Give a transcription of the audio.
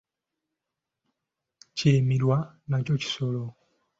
Kalimirwa nakyo kisolo.